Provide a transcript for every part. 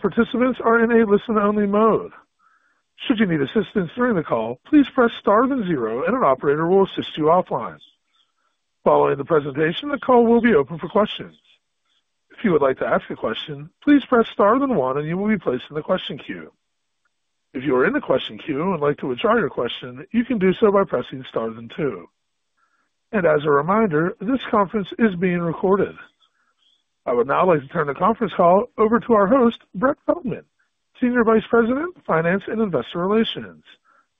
Participants are in a listen-only mode. Should you need assistance during the call, please press star then zero, and an operator will assist you offline. Following the presentation, the call will be open for questions. If you would like to ask a question, please press star then one, and you will be placed in the question queue. If you are in the question queue and would like to withdraw your question, you can do so by pressing star then two. As a reminder, this conference is being recorded. I would now like to turn the conference call over to our host, Brett Feldman, Senior Vice President, Finance and Investor Relations.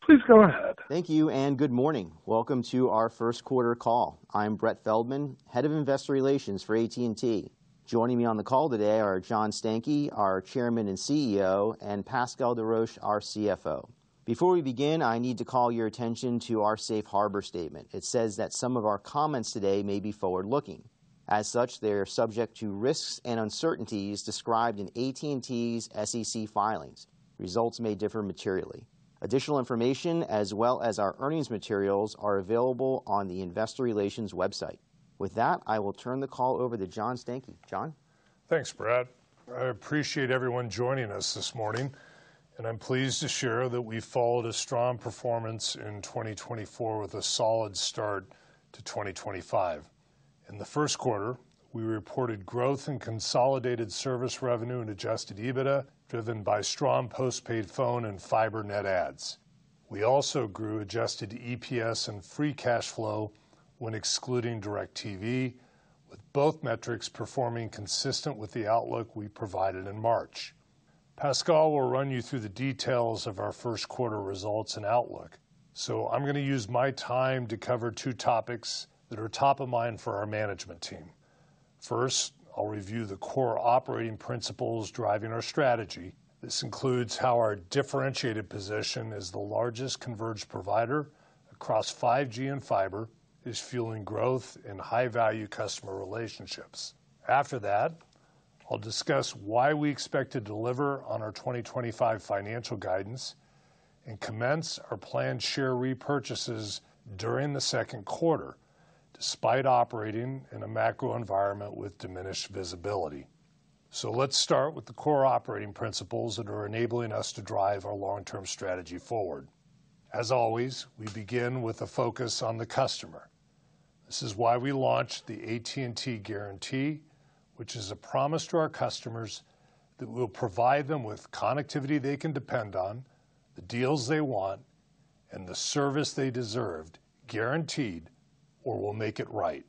Please go ahead. Thank you, and good morning. Welcome to our first quarter call. I'm Brett Feldman, Head of Investor Relations for AT&T. Joining me on the call today are John Stankey, our Chairman and CEO, and Pascal Desroches, our CFO. Before we begin, I need to call your attention to our safe harbor statement. It says that some of our comments today may be forward-looking. As such, they are subject to risks and uncertainties described in AT&T's SEC filings. Results may differ materially. Additional information, as well as our earnings materials, are available on the Investor Relations website. With that, I will turn the call over to John Stankey. John? Thanks, Brett. I appreciate everyone joining us this morning, and I'm pleased to share that we followed a strong performance in 2024 with a solid start to 2025. In the first quarter, we reported growth in consolidated service revenue and adjusted EBITDA, driven by strong postpaid phone and fiber net adds. We also grew adjusted EPS and free cash flow when excluding DIRECTV, with both metrics performing consistent with the outlook we provided in March. Pascal, we'll run you through the details of our first quarter results and outlook. I'm going to use my time to cover two topics that are top of mind for our management team. First, I'll review the core operating principles driving our strategy. This includes how our differentiated position as the largest converged provider across 5G and fiber is fueling growth in high-value customer relationships. After that, I'll discuss why we expect to deliver on our 2025 financial guidance and commence our planned share repurchases during the second quarter, despite operating in a macro environment with diminished visibility. Let's start with the core operating principles that are enabling us to drive our long-term strategy forward. As always, we begin with a focus on the customer. This is why we launched the AT&T Guarantee, which is a promise to our customers that we'll provide them with connectivity they can depend on, the deals they want, and the service they deserved, guaranteed or we'll make it right.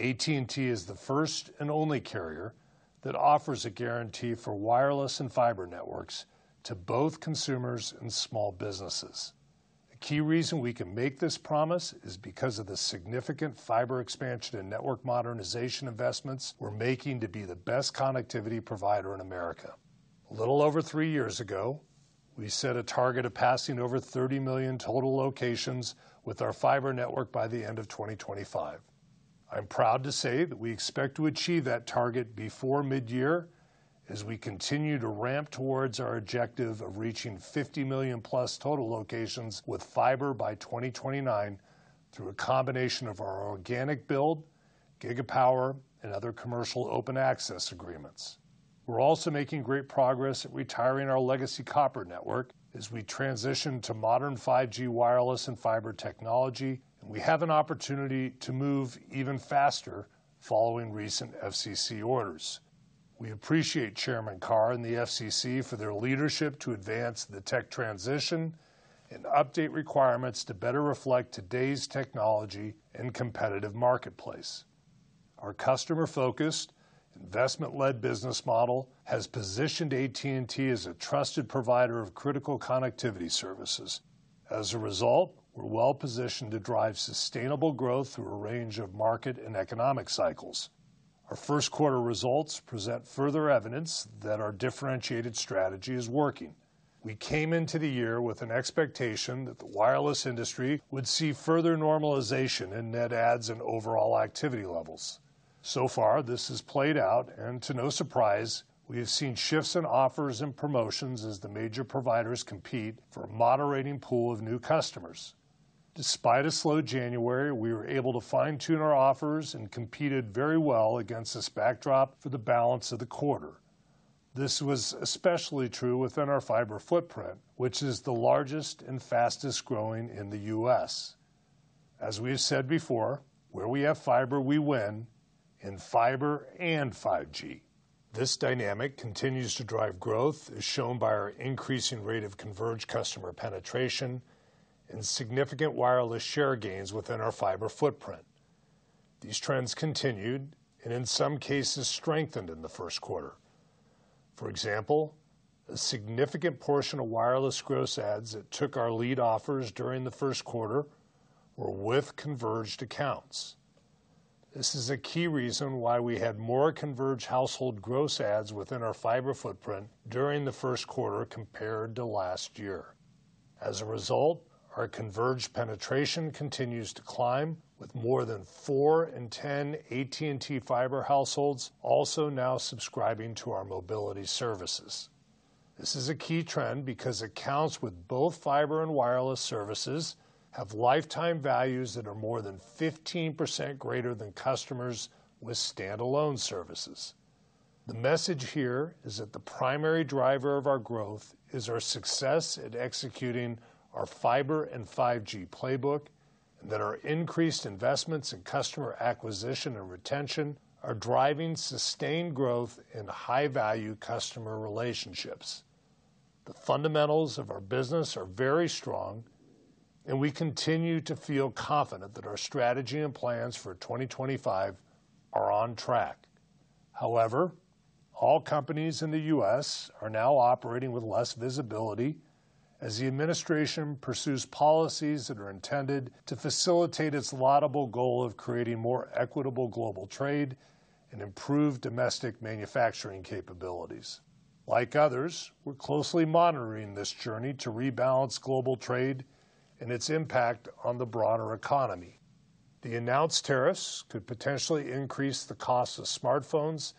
AT&T is the first and only carrier that offers a guarantee for wireless and fiber networks to both consumers and small businesses. A key reason we can make this promise is because of the significant fiber expansion and network modernization investments we're making to be the best connectivity provider in America. A little over three years ago, we set a target of passing over 30 million total locations with our fiber network by the end of 2025. I'm proud to say that we expect to achieve that target before mid-year as we continue to ramp towards our objective of reaching 50 million-plus total locations with fiber by 2029 through a combination of our organic build, Gigapower, and other commercial open access agreements. We're also making great progress at retiring our legacy copper network as we transition to modern 5G wireless and fiber technology, and we have an opportunity to move even faster following recent FCC orders. We appreciate Chairman Carr and the FCC for their leadership to advance the tech transition and update requirements to better reflect today's technology and competitive marketplace. Our customer-focused, investment-led business model has positioned AT&T as a trusted provider of critical connectivity services. As a result, we're well-positioned to drive sustainable growth through a range of market and economic cycles. Our first quarter results present further evidence that our differentiated strategy is working. We came into the year with an expectation that the wireless industry would see further normalization in net adds and overall activity levels. This has played out, and to no surprise, we have seen shifts in offers and promotions as the major providers compete for a moderating pool of new customers. Despite a slow January, we were able to fine-tune our offers and competed very well against this backdrop for the balance of the quarter. This was especially true within our fiber footprint, which is the largest and fastest growing in the U.S. As we've said before, where we have fiber, we win in fiber and 5G. This dynamic continues to drive growth, as shown by our increasing rate of converged customer penetration and significant wireless share gains within our fiber footprint. These trends continued and, in some cases, strengthened in the first quarter. For example, a significant portion of wireless gross adds that took our lead offers during the first quarter were with converged accounts. This is a key reason why we had more converged household gross adds within our fiber footprint during the first quarter compared to last year. As a result, our converged penetration continues to climb, with more than 4 in 10 AT&T Fiber households also now subscribing to our mobility services. This is a key trend because accounts with both fiber and wireless services have lifetime values that are more than 15% greater than customers with standalone services. The message here is that the primary driver of our growth is our success at executing our fiber and 5G playbook, and that our increased investments in customer acquisition and retention are driving sustained growth in high-value customer relationships. The fundamentals of our business are very strong, and we continue to feel confident that our strategy and plans for 2025 are on track. However, all companies in the U.S. are now operating with less visibility as the administration pursues policies that are intended to facilitate its laudable goal of creating more equitable global trade and improved domestic manufacturing capabilities. Like others, we're closely monitoring this journey to rebalance global trade and its impact on the broader economy. The announced tariffs could potentially increase the cost of smartphones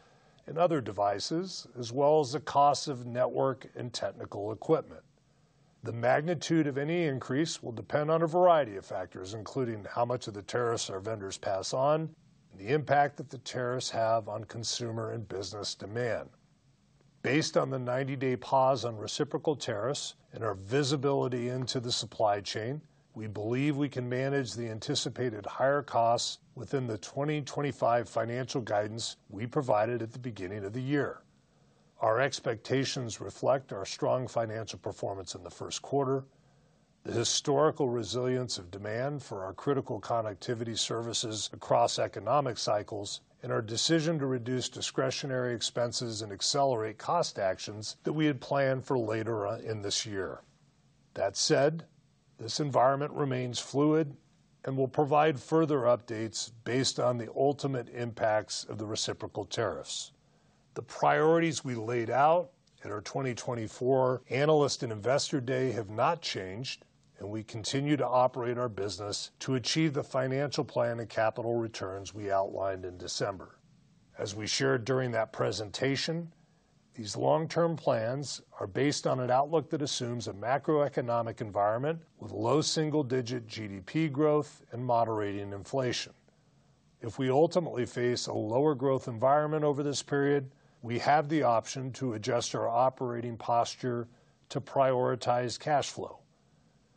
and other devices, as well as the cost of network and technical equipment. The magnitude of any increase will depend on a variety of factors, including how much of the tariffs our vendors pass on and the impact that the tariffs have on consumer and business demand. Based on the 90-day pause on reciprocal tariffs and our visibility into the supply chain, we believe we can manage the anticipated higher costs within the 2025 financial guidance we provided at the beginning of the year. Our expectations reflect our strong financial performance in the first quarter, the historical resilience of demand for our critical connectivity services across economic cycles, and our decision to reduce discretionary expenses and accelerate cost actions that we had planned for later in this year. That said, this environment remains fluid and will provide further updates based on the ultimate impacts of the reciprocal tariffs. The priorities we laid out at our 2024 Analyst & Investor Day have not changed, and we continue to operate our business to achieve the financial plan and capital returns we outlined in December. As we shared during that presentation, these long-term plans are based on an outlook that assumes a macroeconomic environment with low single-digit GDP growth and moderating inflation. If we ultimately face a lower growth environment over this period, we have the option to adjust our operating posture to prioritize cash flow.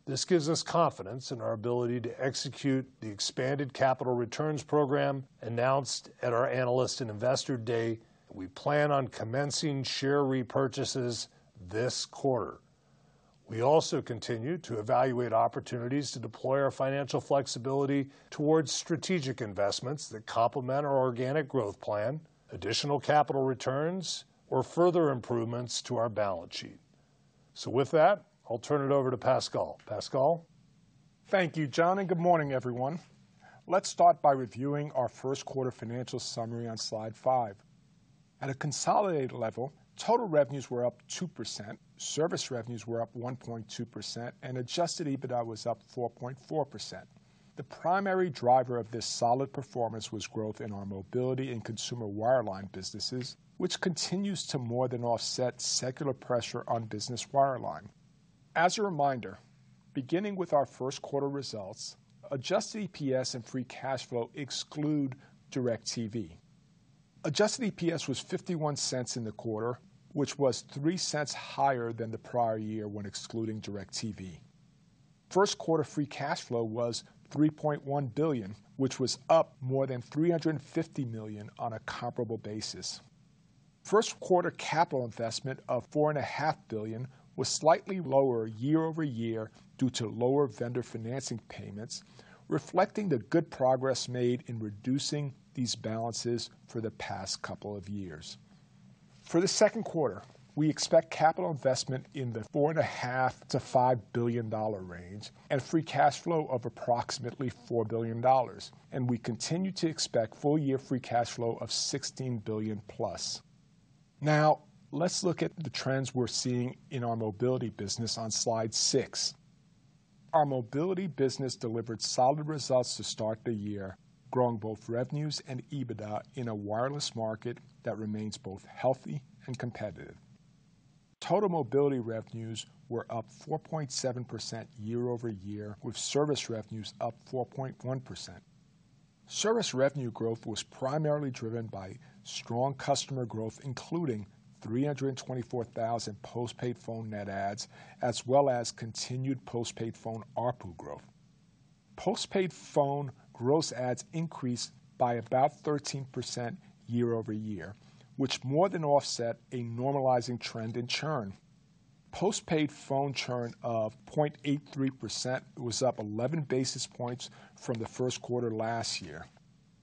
This gives us confidence in our ability to execute the expanded capital returns program announced at our Analyst & Investor Day. We plan on commencing share repurchases this quarter. We also continue to evaluate opportunities to deploy our financial flexibility towards strategic investments that complement our organic growth plan, additional capital returns, or further improvements to our balance sheet. With that, I'll turn it over to Pascal. Pascal? Thank you, John, and good morning, everyone. Let's start by reviewing our first quarter financial summary on slide five. At a consolidated level, total revenues were up 2%, service revenues were up 1.2%, and adjusted EBITDA was up 4.4%. The primary driver of this solid performance was growth in our mobility and consumer wireline businesses, which continues to more than offset secular pressure on business wireline. As a reminder, beginning with our first quarter results, adjusted EPS and free cash flow exclude DIRECTV. Adjusted EPS was $0.51 in the quarter, which was $0.03 higher than the prior year when excluding DIRECTV. First quarter free cash flow was $3.1 billion, which was up more than $350 million on a comparable basis. First quarter capital investment of $4.5 billion was slightly lower year-over-year due to lower vendor financing payments, reflecting the good progress made in reducing these balances for the past couple of years. For the second quarter, we expect capital investment in the $4.5 billion-$5 billion range and free cash flow of approximately $4 billion, and we continue to expect full-year free cash flow of $16 billion plus. Now, let's look at the trends we're seeing in our mobility business on slide six. Our mobility business delivered solid results to start the year, growing both revenues and EBITDA in a wireless market that remains both healthy and competitive. Total mobility revenues were up 4.7% year-over-year, with service revenues up 4.1%. Service revenue growth was primarily driven by strong customer growth, including 324,000 postpaid phone net adds, as well as continued postpaid phone ARPU growth. Postpaid phone gross adds increased by about 13% year-over-year, which more than offset a normalizing trend in churn. Postpaid phone churn of 0.83% was up 11 basis points from the first quarter last year.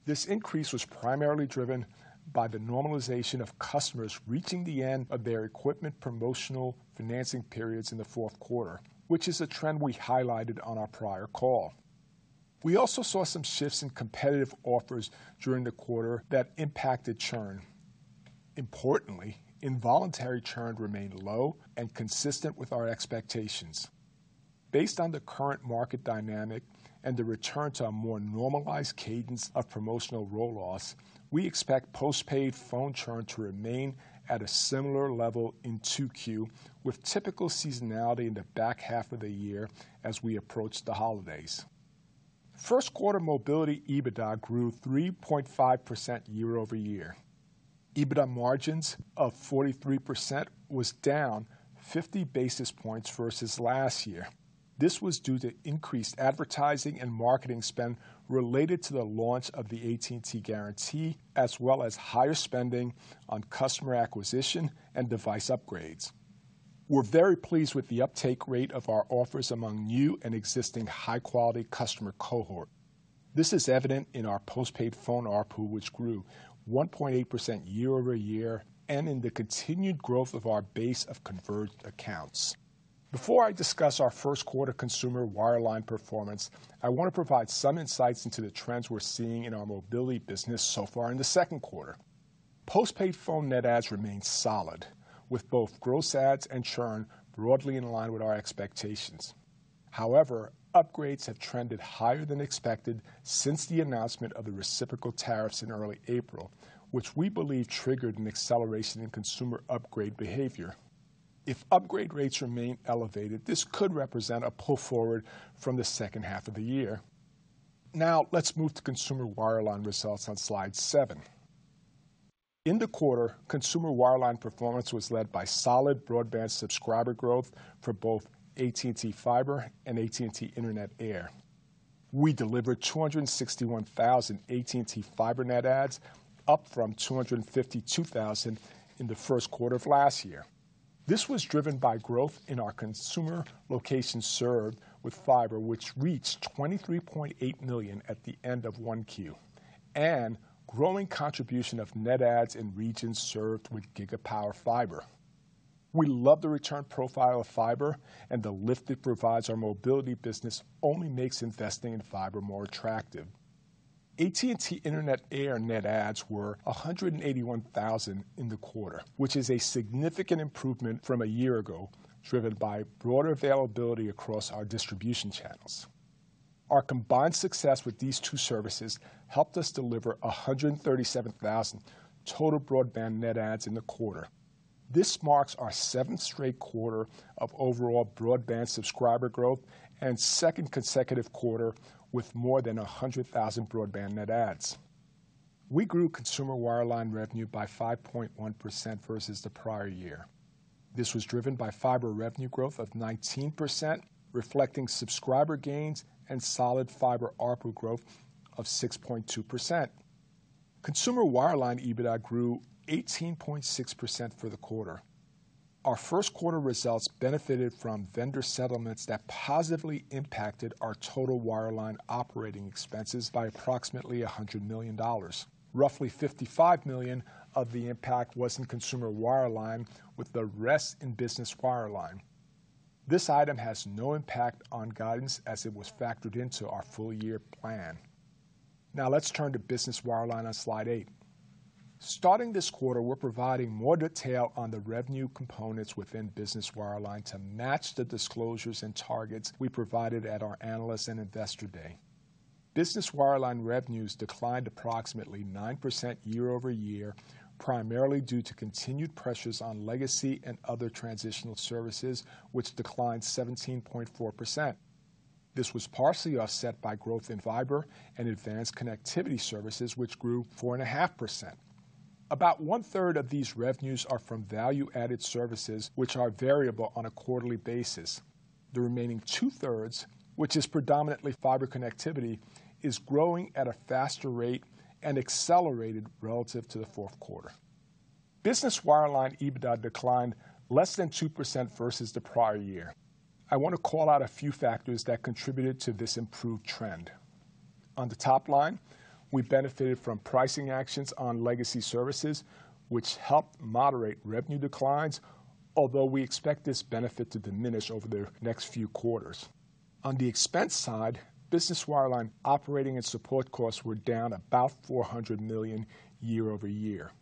This increase was primarily driven by the normalization of customers reaching the end of their equipment promotional financing periods in the fourth quarter, which is a trend we highlighted on our prior call. We also saw some shifts in competitive offers during the quarter that impacted churn. Importantly, involuntary churn remained low and consistent with our expectations. Based on the current market dynamic and the return to a more normalized cadence of promotional roll-offs, we expect postpaid phone churn to remain at a similar level in 2Q, with typical seasonality in the back half of the year as we approach the holidays. First quarter mobility EBITDA grew 3.5% year-over-year. EBITDA margins of 43% was down 50 basis points versus last year. This was due to increased advertising and marketing spend related to the launch of the AT&T Guarantee, as well as higher spending on customer acquisition and device upgrades. We're very pleased with the uptake rate of our offers among new and existing high-quality customer cohort. This is evident in our postpaid phone ARPU, which grew 1.8% year-over-year and in the continued growth of our base of converged accounts. Before I discuss our first quarter consumer wireline performance, I want to provide some insights into the trends we're seeing in our mobility business so far in the second quarter. Postpaid phone net adds remained solid, with both gross adds and churn broadly in line with our expectations. However, upgrades have trended higher than expected since the announcement of the reciprocal tariffs in early April, which we believe triggered an acceleration in consumer upgrade behavior. If upgrade rates remain elevated, this could represent a pull forward from the second half of the year. Now, let's move to consumer wireline results on slide seven. In the quarter, consumer wireline performance was led by solid broadband subscriber growth for both AT&T Fiber and AT&T Internet Air. We delivered 261,000 AT&T Fiber net adds, up from 252,000 in the first quarter of last year. This was driven by growth in our consumer locations served with fiber, which reached 23.8 million at the end of 1Q, and growing contribution of net adds in regions served with Gigapower fiber. We love the return profile of fiber, and the lift it provides our mobility business only makes investing in fiber more attractive. AT&T Internet Air net adds were 181,000 in the quarter, which is a significant improvement from a year ago, driven by broader availability across our distribution channels. Our combined success with these two services helped us deliver 137,000 total broadband net adds in the quarter. This marks our seventh straight quarter of overall broadband subscriber growth and second consecutive quarter with more than 100,000 broadband net adds. We grew consumer wireline revenue by 5.1% versus the prior year. This was driven by Fiber revenue growth of 19%, reflecting subscriber gains and solid Fiber ARPU growth of 6.2%. Consumer wireline EBITDA grew 18.6% for the quarter. Our first quarter results benefited from vendor settlements that positively impacted our total wireline operating expenses by approximately $100 million. Roughly $55 million of the impact was in consumer wireline, with the rest in business wireline. This item has no impact on guidance as it was factored into our full-year plan. Now, let's turn to business wireline on slide eight. Starting this quarter, we're providing more detail on the revenue components within business wireline to match the disclosures and targets we provided at our Analyst & Investor Day. Business wireline revenues declined approximately 9% year-over-year, primarily due to continued pressures on legacy and other transitional services, which declined 17.4%. This was partially offset by growth in fiber and advanced connectivity services, which grew 4.5%. About 1/3 of these revenues are from value-added services, which are variable on a quarterly basis. The remaining 2/3, which is predominantly fiber connectivity, is growing at a faster rate and accelerated relative to the fourth quarter. Business wireline EBITDA declined less than 2% versus the prior year. I want to call out a few factors that contributed to this improved trend. On the top line, we benefited from pricing actions on legacy services, which helped moderate revenue declines, although we expect this benefit to diminish over the next few quarters. On the expense side, business wireline operating and support costs were down about $400 million year-over-year.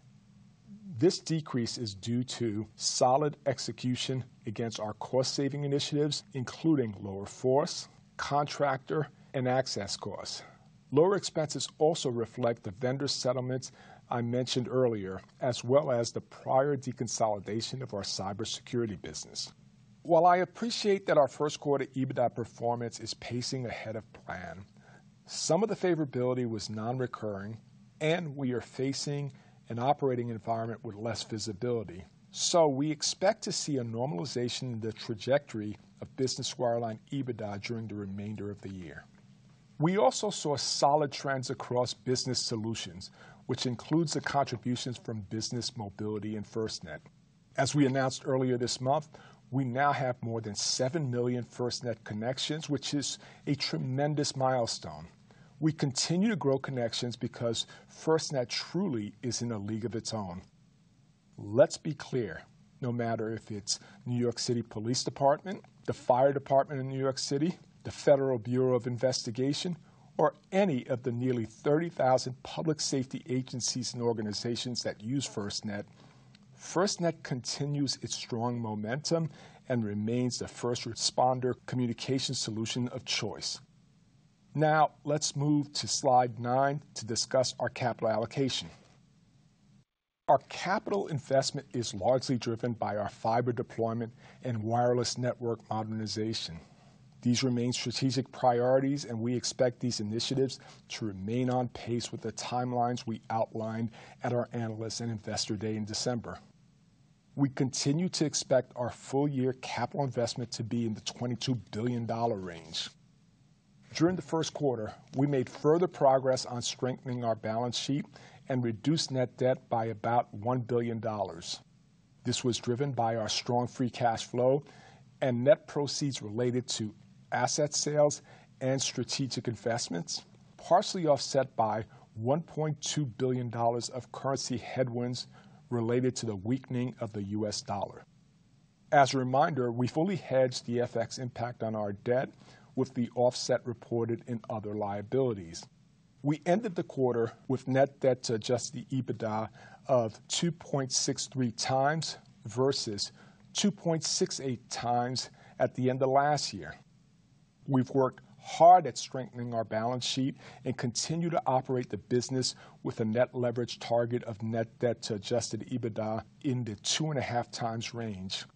This decrease is due to solid execution against our cost-saving initiatives, including lower force, contractor, and access costs. Lower expenses also reflect the vendor settlements I mentioned earlier, as well as the prior deconsolidation of our cybersecurity business. While I appreciate that our first quarter EBITDA performance is pacing ahead of plan, some of the favorability was non-recurring, and we are facing an operating environment with less visibility. We expect to see a normalization in the trajectory of business wireline EBITDA during the remainder of the year. We also saw solid trends across business solutions, which includes the contributions from business mobility and FirstNet. As we announced earlier this month, we now have more than 7 million FirstNet connections, which is a tremendous milestone. We continue to grow connections because FirstNet truly is in a league of its own. Let's be clear, no matter if it's New York City Police Department, the Fire Department of New York City, the Federal Bureau of Investigation, or any of the nearly 30,000 public safety agencies and organizations that use FirstNet, FirstNet continues its strong momentum and remains the first responder communication solution of choice. Now, let's move to slide nine to discuss our capital allocation. Our capital investment is largely driven by our fiber deployment and wireless network modernization. These remain strategic priorities, and we expect these initiatives to remain on pace with the timelines we outlined at our Analyst & Investor Day in December. We continue to expect our full-year capital investment to be in the $22 billion range. During the first quarter, we made further progress on strengthening our balance sheet and reduced net debt by about $1 billion. This was driven by our strong free cash flow and net proceeds related to asset sales and strategic investments, partially offset by $1.2 billion of currency headwinds related to the weakening of the U.S. dollar. As a reminder, we fully hedged the FX impact on our debt, with the offset reported in other liabilities. We ended the quarter with net debt to adjusted EBITDA of 2.63 times versus 2.68 times at the end of last year. We've worked hard at strengthening our balance sheet and continue to operate the business with a net leverage target of net debt to adjusted EBITDA in the 2.5 times range.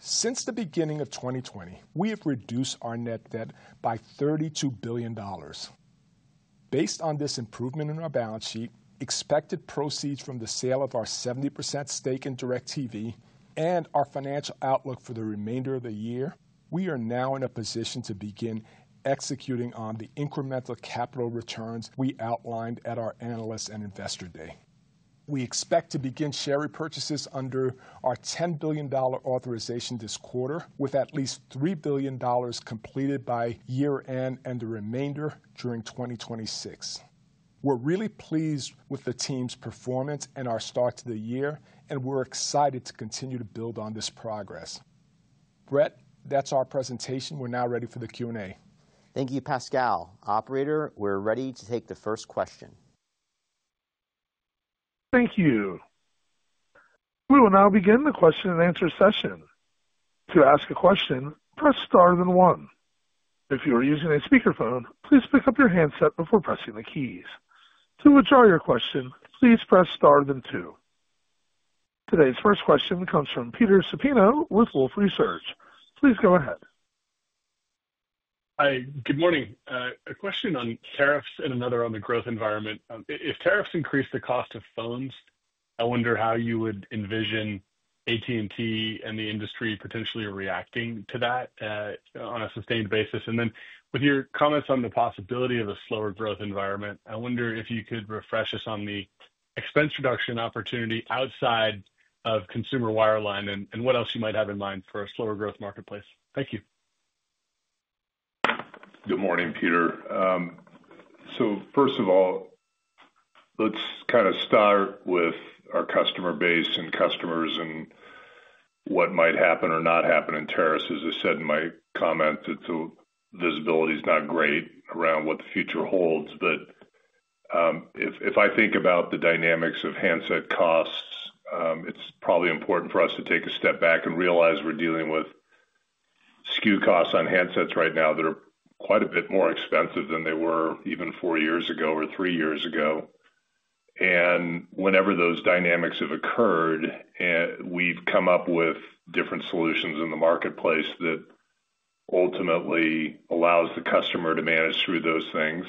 Since the beginning of 2020, we have reduced our net debt by $32 billion. Based on this improvement in our balance sheet, expected proceeds from the sale of our 70% stake in DIRECTV, and our financial outlook for the remainder of the year, we are now in a position to begin executing on the incremental capital returns we outlined at our Analyst & Investor Day. We expect to begin share repurchases under our $10 billion authorization this quarter, with at least $3 billion completed by year-end and the remainder during 2026. We're really pleased with the team's performance and our start to the year, and we're excited to continue to build on this progress. Brett, that's our presentation. We're now ready for the Q&A. Thank you, Pascal. Operator, we're ready to take the first question. Thank you. We will now begin the question-and-answer session. To ask a question, press star then one. If you are using a speakerphone, please pick up your handset before pressing the keys. To withdraw your question, please press star then two. Today's first question comes from Peter Supino with Wolfe Research. Please go ahead. Hi, good morning. A question on tariffs and another on the growth environment. If tariffs increase the cost of phones, I wonder how you would envision AT&T and the industry potentially reacting to that on a sustained basis. With your comments on the possibility of a slower growth environment, I wonder if you could refresh us on the expense reduction opportunity outside of consumer wireline and what else you might have in mind for a slower growth marketplace. Thank you. Good morning, Peter. First of all, let's kind of start with our customer base and customers and what might happen or not happen in tariffs. As I said in my comments, visibility is not great around what the future holds. If I think about the dynamics of handset costs, it's probably important for us to take a step back and realize we're dealing with SKU costs on handsets right now that are quite a bit more expensive than they were even four years ago or three years ago. Whenever those dynamics have occurred, we've come up with different solutions in the marketplace that ultimately allows the customer to manage through those things.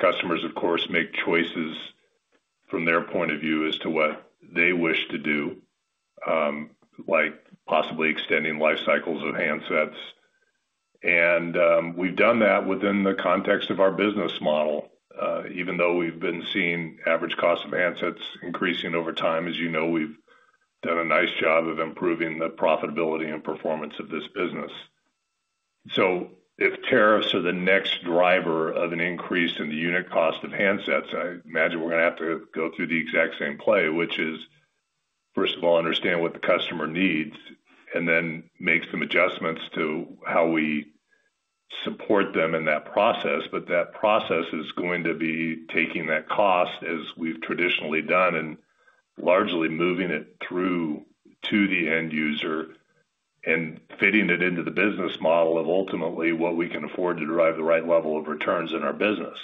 Customers, of course, make choices from their point of view as to what they wish to do, like possibly extending life cycles of handsets. We've done that within the context of our business model, even though we've been seeing average cost of handsets increasing over time. As you know, we've done a nice job of improving the profitability and performance of this business. If tariffs are the next driver of an increase in the unit cost of handsets, I imagine we're going to have to go through the exact same play, which is, first of all, understand what the customer needs and then make some adjustments to how we support them in that process. That process is going to be taking that cost, as we've traditionally done, and largely moving it through to the end user and fitting it into the business model of ultimately what we can afford to drive the right level of returns in our business.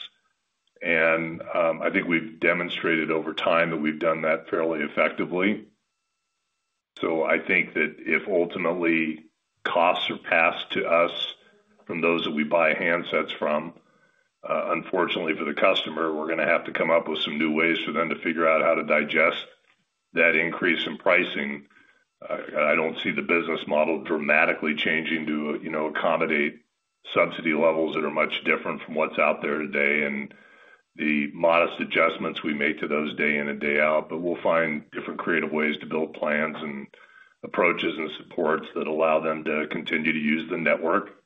I think we've demonstrated over time that we've done that fairly effectively. I think that if ultimately costs are passed to us from those that we buy handsets from, unfortunately, for the customer, we're going to have to come up with some new ways for them to figure out how to digest that increase in pricing. I don't see the business model dramatically changing to accommodate subsidy levels that are much different from what's out there today and the modest adjustments we make to those day in and day out. We will find different creative ways to build plans and approaches and supports that allow them to continue to use the network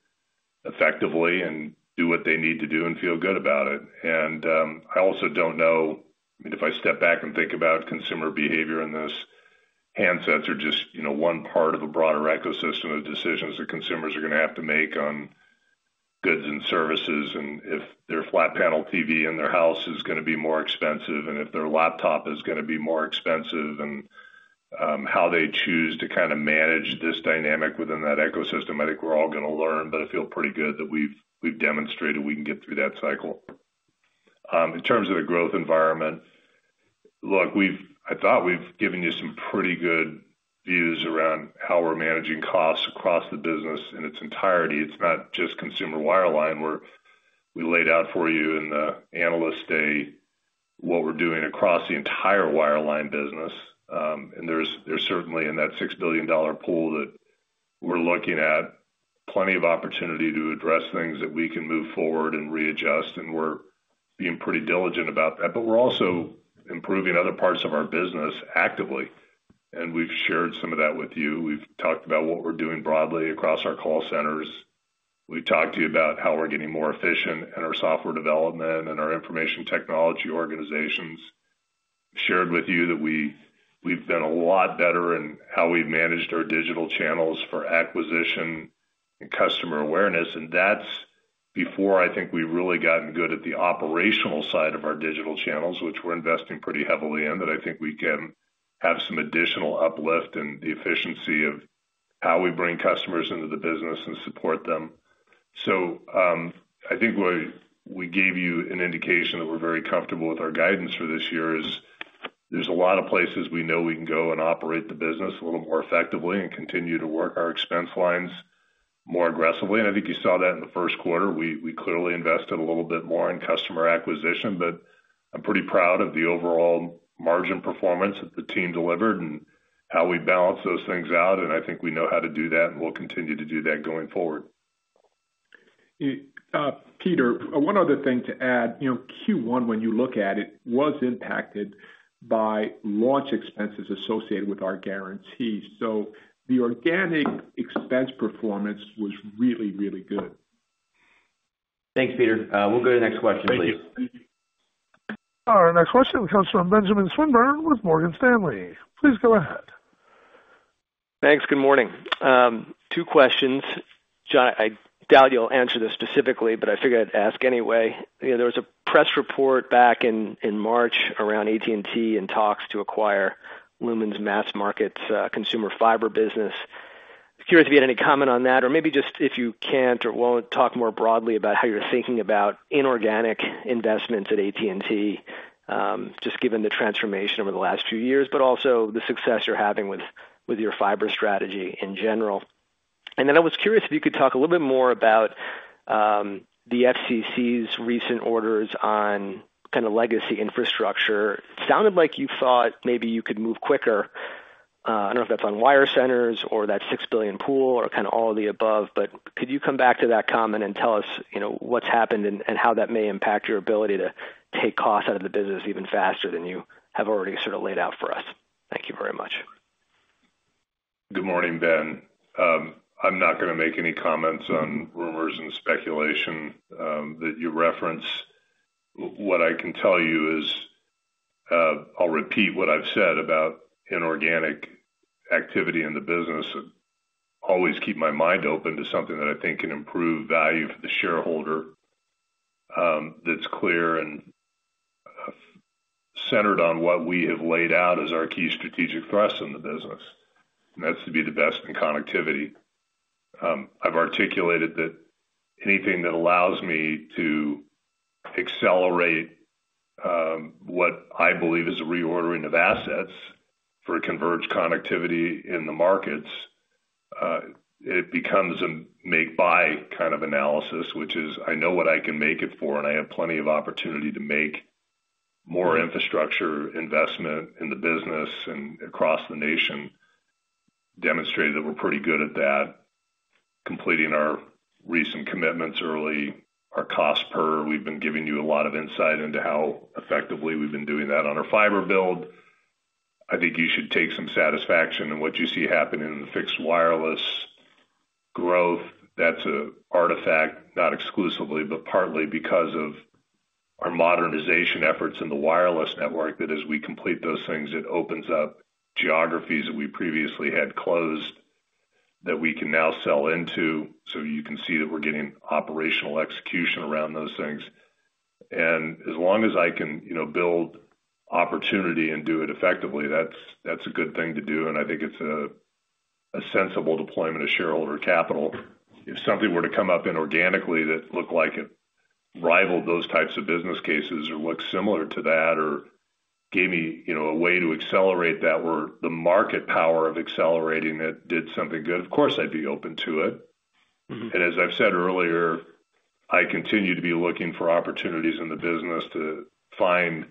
effectively and do what they need to do and feel good about it. I also don't know, if I step back and think about consumer behavior in this, handsets are just one part of a broader ecosystem of decisions that consumers are going to have to make on goods and services. If their flat panel TV in their house is going to be more expensive and if their laptop is going to be more expensive and how they choose to kind of manage this dynamic within that ecosystem, I think we're all going to learn. I feel pretty good that we've demonstrated we can get through that cycle. In terms of the growth environment, look, I thought we've given you some pretty good views around how we're managing costs across the business in its entirety. It's not just consumer wireline. We laid out for you in the Analyst Day what we're doing across the entire wireline business. There is certainly, in that $6 billion pool that we're looking at, plenty of opportunity to address things that we can move forward and readjust. We're being pretty diligent about that. We're also improving other parts of our business actively. We've shared some of that with you. We've talked about what we're doing broadly across our call centers. We've talked to you about how we're getting more efficient in our software development and our information technology organizations. Shared with you that we've been a lot better in how we've managed our digital channels for acquisition and customer awareness. That's before I think we've really gotten good at the operational side of our digital channels, which we're investing pretty heavily in, that I think we can have some additional uplift in the efficiency of how we bring customers into the business and support them. I think we gave you an indication that we're very comfortable with our guidance for this year as there's a lot of places, we know we can go and operate the business a little more effectively and continue to work our expense lines more aggressively. I think you saw that in the first quarter. We clearly invested a little bit more in customer acquisition, but I'm pretty proud of the overall margin performance that the team delivered and how we balance those things out. I think we know how to do that and we'll continue to do that going forward. Peter, one other thing to add. Q1, when you look at it, was impacted by launch expenses associated with our guarantee. The organic expense performance was really, really good. Thanks, Peter. We'll go to the next question, please. Thank you. Our next question comes from Benjamin Swinburne with Morgan Stanley. Please go ahead. Thanks. Good morning. Two questions. John, I doubt you'll answer this specifically, but I figured I'd ask anyway. There was a press report back in March around AT&T and talks to acquire Lumen's Mass Market consumer fiber business. Curious if you had any comment on that, or maybe just if you can't or won't talk more broadly about how you're thinking about inorganic investments at AT&T, just given the transformation over the last few years, but also the success you're having with your fiber strategy in general. I was curious if you could talk a little bit more about the FCC's recent orders on kind of legacy infrastructure. It sounded like you thought maybe you could move quicker. I do not know if that's on wire centers or that $6 billion pool or kind of all of the above, but could you come back to that comment and tell us what's happened and how that may impact your ability to take costs out of the business even faster than you have already sort of laid out for us? Thank you very much. Good morning, Ben. I'm not going to make any comments on rumors and speculation that you reference. What I can tell you is I'll repeat what I've said about inorganic activity in the business. Always keep my mind open to something that I think can improve value for the shareholder that's clear and centered on what we have laid out as our key strategic threats in the business. That is to be the best in connectivity. I've articulated that anything that allows me to accelerate what I believe is a reordering of assets for converged connectivity in the markets, it becomes a make-buy kind of analysis, which is I know what I can make it for, and I have plenty of opportunity to make more infrastructure investment in the business and across the nation, demonstrated that we're pretty good at that, completing our recent commitments early, our cost per. We've been giving you a lot of insight into how effectively we've been doing that on our fiber build. I think you should take some satisfaction in what you see happening in the fixed wireless growth. That is an artifact, not exclusively, but partly because of our modernization efforts in the wireless network that as we complete those things, it opens up geographies that we previously had closed that we can now sell into. You can see that we are getting operational execution around those things. As long as I can build opportunity and do it effectively, that is a good thing to do. I think it is a sensible deployment of shareholder capital. If something were to come up inorganically that looked like it rivaled those types of business cases or looked similar to that or gave me a way to accelerate that where the market power of accelerating it did something good, of course, I would be open to it. As I've said earlier, I continue to be looking for opportunities in the business to find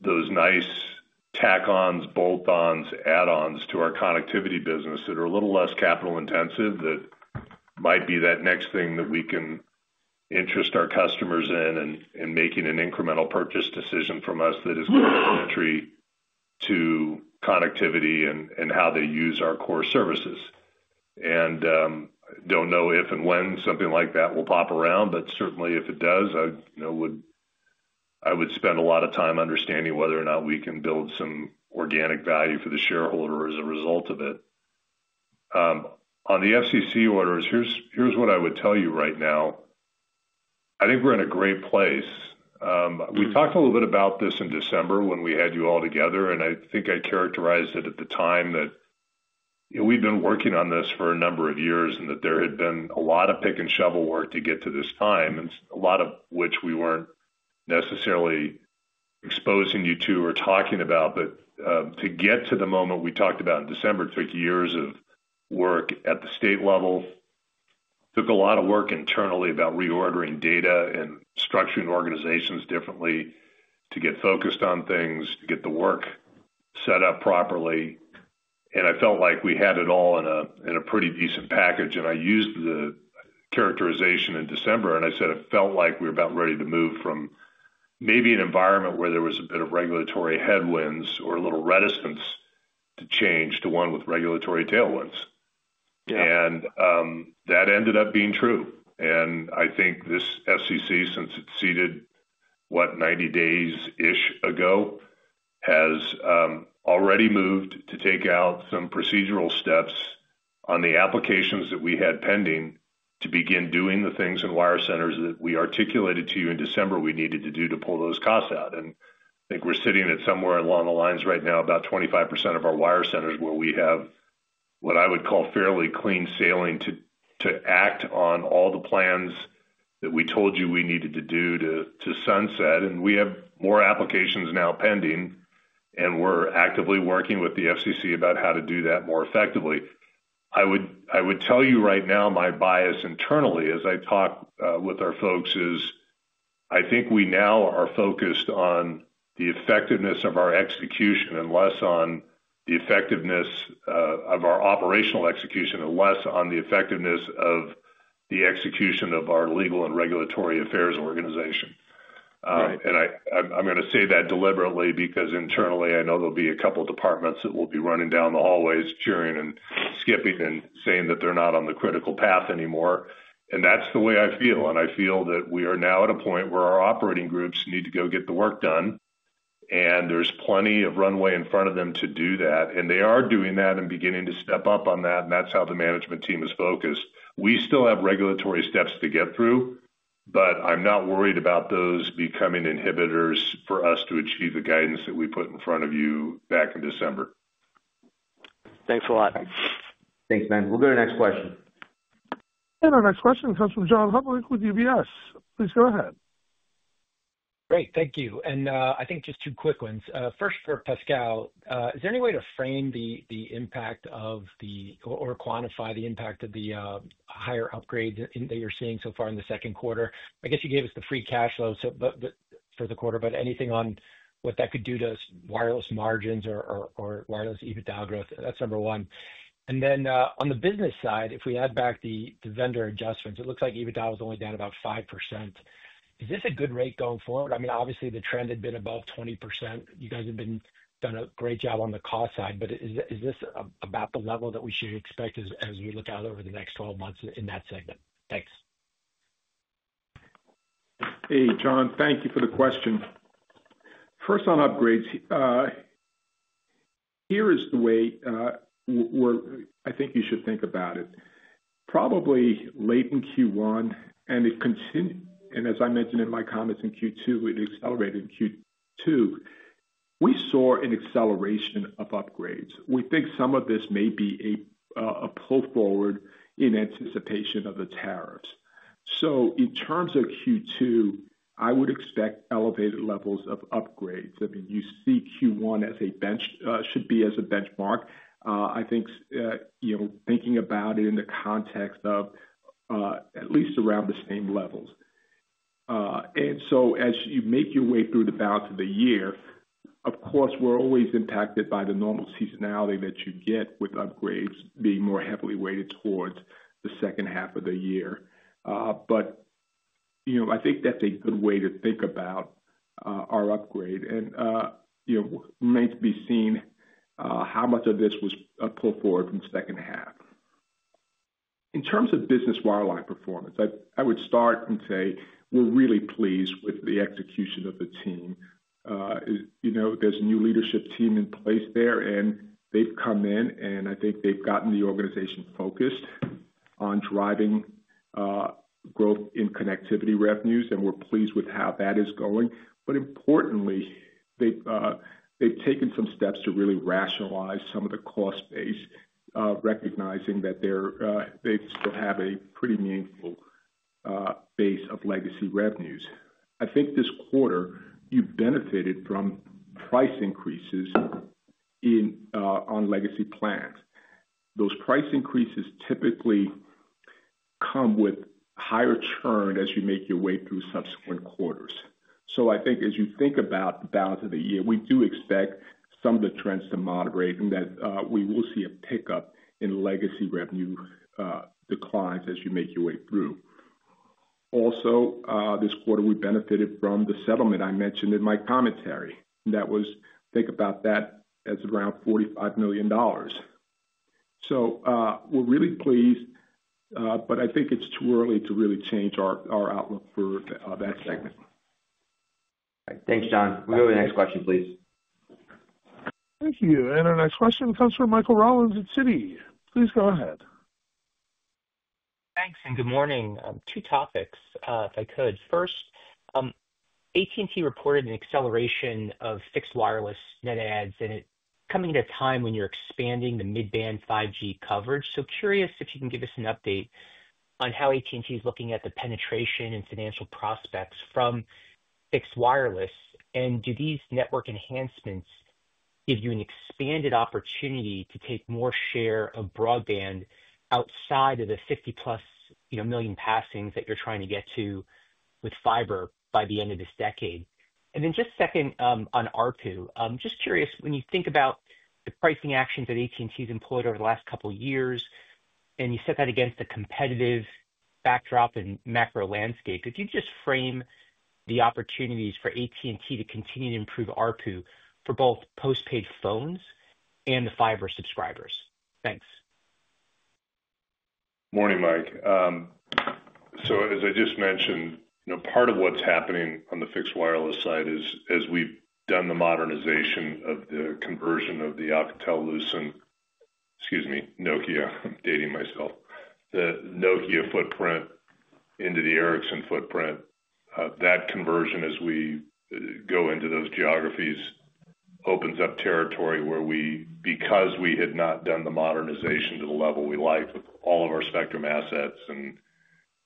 those nice tack-ons, bolt-ons, add-ons to our connectivity business that are a little less capital-intensive that might be that next thing that we can interest our customers in and making an incremental purchase decision from us that is going to entry to connectivity and how they use our core services. I don't know if and when something like that will pop around, but certainly if it does, I would spend a lot of time understanding whether or not we can build some organic value for the shareholder as a result of it. On the FCC orders, here's what I would tell you right now. I think we're in a great place. We talked a little bit about this in December when we had you all together, and I think I characterized it at the time that we've been working on this for a number of years and that there had been a lot of pick and shovel work to get to this time, a lot of which we weren't necessarily exposing you to or talking about. To get to the moment we talked about in December took years of work at the state level, took a lot of work internally about reordering data and structuring organizations differently to get focused on things, to get the work set up properly. I felt like we had it all in a pretty decent package. I used the characterization in December, and I said it felt like we were about ready to move from maybe an environment where there was a bit of regulatory headwinds or a little reticence to change to one with regulatory tailwinds. That ended up being true. I think this FCC, since it's seated, what, 90 days-ish ago, has already moved to take out some procedural steps on the applications that we had pending to begin doing the things in wire centers that we articulated to you in December we needed to do to pull those costs out. I think we're sitting at somewhere along the lines right now, about 25% of our wire centers where we have what I would call fairly clean sailing to act on all the plans that we told you we needed to do to sunset. We have more applications now pending, and we're actively working with the FCC about how to do that more effectively. I would tell you right now my bias internally as I talk with our folks is I think we now are focused on the effectiveness of our execution and less on the effectiveness of our operational execution and less on the effectiveness of the execution of our legal and regulatory affairs organization. I'm going to say that deliberately because internally, I know there'll be a couple of departments that will be running down the hallways cheering and skipping and saying that they're not on the critical path anymore. That's the way I feel. I feel that we are now at a point where our operating groups need to go get the work done, and there's plenty of runway in front of them to do that. They are doing that and beginning to step up on that, and that's how the management team is focused. We still have regulatory steps to get through, but I'm not worried about those becoming inhibitors for us to achieve the guidance that we put in front of you back in December. Thanks a lot. Thanks, Ben. We'll go to the next question. Our next question comes from John Hodulik with UBS. Please go ahead. Great. Thank you. I think just two quick ones. First, for Pascal, is there any way to frame the impact of or quantify the impact of the higher upgrades that you're seeing so far in the second quarter? I guess you gave us the free cash flow for the quarter, but anything on what that could do to wireless margins or wireless EBITDA growth? That's number one. On the business side, if we add back the vendor adjustments, it looks like EBITDA was only down about 5%. Is this a good rate going forward? I mean, obviously, the trend had been above 20%. You guys have done a great job on the cost side, but is this about the level that we should expect as we look out over the next 12 months in that segment? Thanks. Hey, John, thank you for the question. First, on upgrades, here is the way I think you should think about it. Probably late in Q1, and as I mentioned in my comments in Q2, it accelerated in Q2. We saw an acceleration of upgrades. We think some of this may be a pull forward in anticipation of the tariffs. In terms of Q2, I would expect elevated levels of upgrades. I mean, you see Q1 as a should be as a benchmark. I think thinking about it in the context of at least around the same levels. So, as you make your way through the balance of the year, of course, we're always impacted by the normal seasonality that you get with upgrades being more heavily weighted towards the second half of the year. I think that's a good way to think about our upgrade. It remains to be seen how much of this was a pull forward from the second half. In terms of business wireline performance, I would start and say we're really pleased with the execution of the team. There's a new leadership team in place there, and they've come in, and I think they've gotten the organization focused on driving growth in connectivity revenues, and we're pleased with how that is going. Importantly, they've taken some steps to really rationalize some of the cost base, recognizing that they still have a pretty meaningful base of legacy revenues. I think this quarter, you've benefited from price increases on legacy plans. Those price increases typically come with higher churn as you make your way through subsequent quarters. I think as you think about the balance of the year, we do expect some of the trends to moderate and that we will see a pickup in legacy revenue declines as you make your way through. Also, this quarter, we benefited from the settlement I mentioned in my commentary. That was, think about that as around $45 million. We're really pleased, but I think it's too early to really change our outlook for that segment. Thanks, John. We'll go to the next question, please. Thank you. Our next question comes from Michael Rollins at Citi. Please go ahead. Thanks. Good morning. Two topics, if I could. First, AT&T reported an acceleration of fixed wireless net adds, and it's coming at a time when you're expanding the mid-band 5G coverage. Curious if you can give us an update on how AT&T is looking at the penetration and financial prospects from fixed wireless. Do these network enhancements give you an expanded opportunity to take more share of broadband outside of the 50-plus million passings that you're trying to get to with fiber by the end of this decade? Then just second on ARPU, I'm just curious, when you think about the pricing actions that AT&T has employed over the last couple of years, and you set that against the competitive backdrop and macro landscape, could you just frame the opportunities for AT&T to continue to improve ARPU for both postpaid phones and the fiber subscribers? Thanks. Morning, Mike. As I just mentioned, part of what's happening on the fixed wireless side is as we've done the modernization of the conversion of the Alcatel-Lucent, excuse me, Nokia, I'm dating myself, the Nokia footprint into the Ericsson footprint. That conversion, as we go into those geographies, opens up territory where we, because we had not done the modernization to the level we liked with all of our spectrum assets and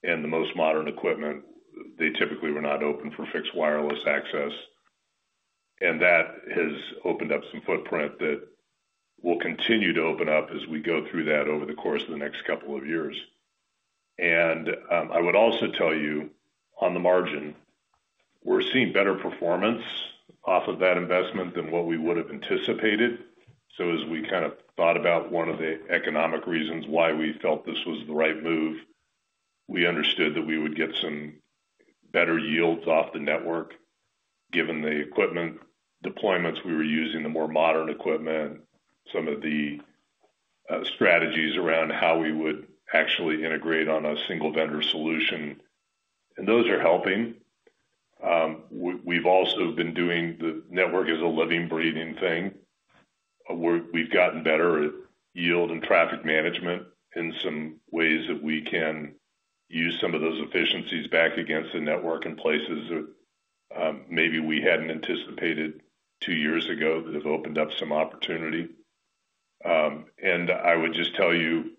the most modern equipment, they typically were not open for Fixed Wireless Access. That has opened up some footprint that will continue to open up as we go through that over the course of the next couple of years. I would also tell you, on the margin, we're seeing better performance off of that investment than what we would have anticipated. As we kind of thought about one of the economic reasons why we felt this was the right move, we understood that we would get some better yields off the network given the equipment deployments we were using, the more modern equipment, some of the strategies around how we would actually integrate on a single vendor solution. Those are helping. We've also been doing the network as a living, breathing thing. We've gotten better at yield and traffic management in some ways that we can use some of those efficiencies back against the network in places that maybe we hadn't anticipated two years ago that have opened up some opportunity. I would just tell you,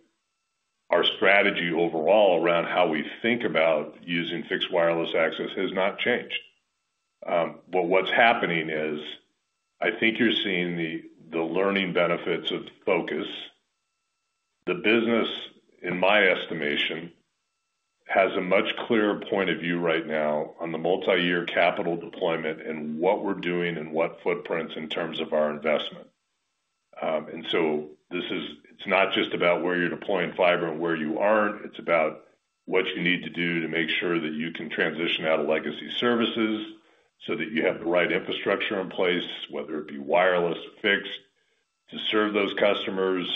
our strategy overall around how we think about using fixed wireless access has not changed. What's happening is, I think you're seeing the learning benefits of focus. The business, in my estimation, has a much clearer point of view right now on the multi-year capital deployment and what we're doing and what footprints in terms of our investment. It's not just about where you're deploying fiber and where you aren't. It's about what you need to do to make sure that you can transition out of legacy services so that you have the right infrastructure in place, whether it be wireless or fixed, to serve those customers.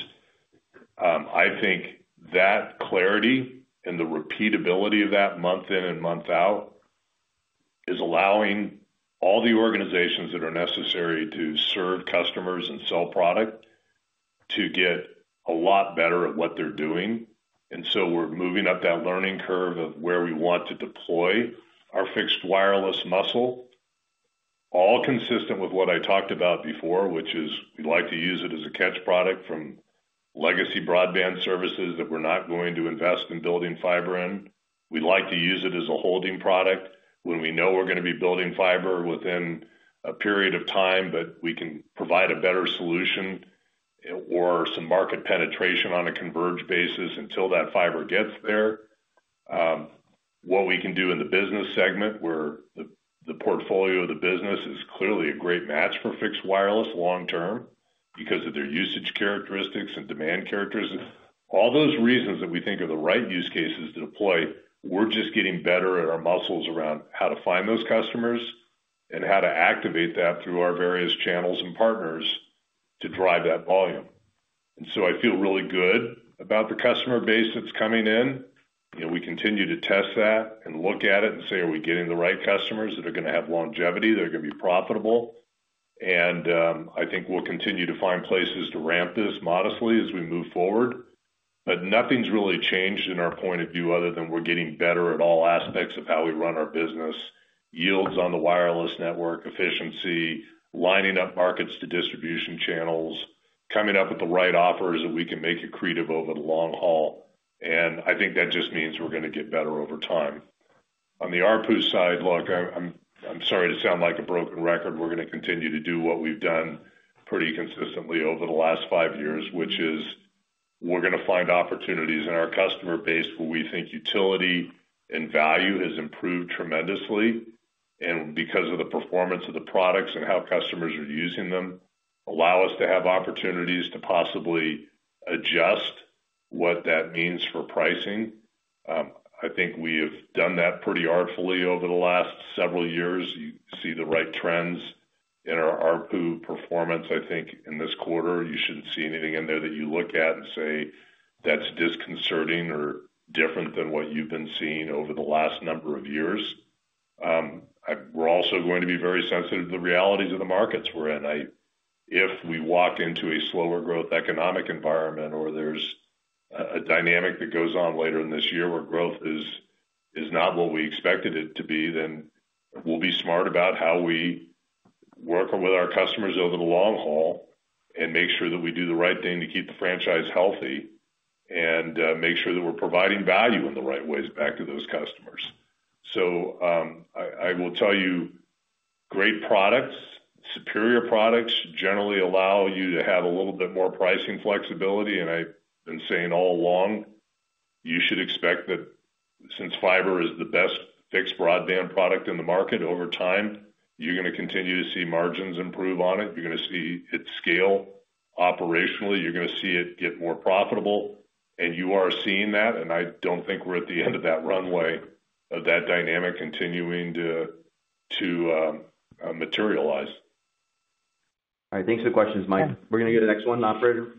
I think that clarity and the repeatability of that month in and month out is allowing all the organizations that are necessary to serve customers and sell product to get a lot better at what they're doing. We're moving up that learning curve of where we want to deploy our fixed wireless muscle, all consistent with what I talked about before, which is we'd like to use it as a catch product from legacy broadband services that we're not going to invest in building fiber in. We'd like to use it as a holding product when we know we're going to be building fiber within a period of time, but we can provide a better solution or some market penetration on a converged basis until that fiber gets there. What we can do in the business segment, where the portfolio of the business is clearly a great match for fixed wireless long-term because of their usage characteristics and demand characteristics, all those reasons that we think are the right use cases to deploy, we're just getting better at our muscles around how to find those customers and how to activate that through our various channels and partners to drive that volume. I feel really good about the customer base that's coming in. We continue to test that and look at it and say, "Are we getting the right customers that are going to have longevity? They're going to be profitable?" I think we'll continue to find places to ramp this modestly as we move forward. Nothing's really changed in our point of view other than we're getting better at all aspects of how we run our business: yields on the wireless network, efficiency, lining up markets to distribution channels, coming up with the right offers that we can make it creative over the long haul. I think that just means we're going to get better over time. On the ARPU side, look, I'm sorry to sound like a broken record. We're going to continue to do what we've done pretty consistently over the last five years, which is we're going to find opportunities in our customer base where we think utility and value has improved tremendously. And because of the performance of the products and how customers are using them, allow us to have opportunities to possibly adjust what that means for pricing. I think we have done that pretty artfully over the last several years. You see the right trends in our ARPU performance. I think in this quarter, you shouldn't see anything in there that you look at and say, "That's disconcerting or different than what you've been seeing over the last number of years." We're also going to be very sensitive to the realities of the markets we're in. If we walk into a slower growth economic environment or there's a dynamic that goes on later in this year where growth is not what we expected it to be, we'll be smart about how we work with our customers over the long haul and make sure that we do the right thing to keep the franchise healthy and make sure that we're providing value in the right ways back to those customers. I will tell you, great products, superior products generally allow you to have a little bit more pricing flexibility. I've been saying all along, you should expect that since fiber is the best fixed broadband product in the market, over time, you're going to continue to see margins improve on it. You're going to see it scale operationally. You're going to see it get more profitable. You are seeing that. I do not think we're at the end of that runway of that dynamic continuing to materialize. All right. Thanks for the questions, Mike. We're going to get the next one, Operator.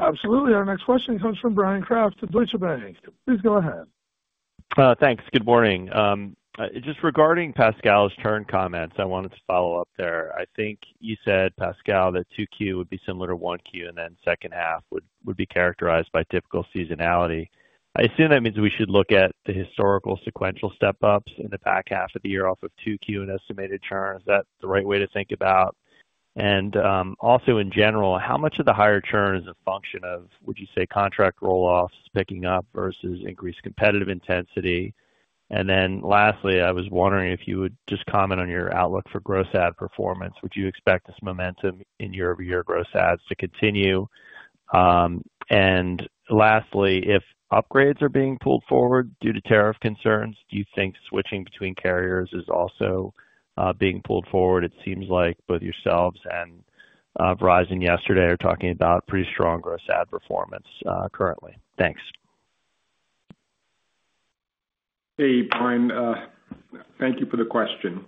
Absolutely. Our next question comes from Bryan Kraft at Deutsche Bank. Please go ahead. Thanks. Good morning. Just regarding Pascal's churn comments, I wanted to follow up there. I think you said, Pascal, that 2Q would be similar to 1Q, and then second half would be characterized by typical seasonality. I assume that means we should look at the historical sequential step-ups in the back half of the year off of 2Q and estimated churn. Is that the right way to think about? Also, in general, how much of the higher churn is a function of, would you say, contract roll-offs picking up versus increased competitive intensity? Lastly, I was wondering if you would just comment on your outlook for gross ad performance. Would you expect this momentum in year-over-year gross adds to continue? Lastly, if upgrades are being pulled forward due to tariff concerns, do you think switching between carriers is also being pulled forward? It seems like both yourselves and Verizon yesterday are talking about pretty strong gross ad performance currently. Thanks. Hey, Bryan. Thank you for the question.